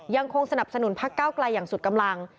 ยังคงสนับสนุนพักเก้าไกลอย่างสุดกำลัง